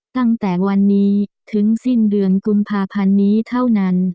ตั้งแต่วันนี้ถึงสิ้นเดือนกุมภาพันธ์นี้เท่านั้น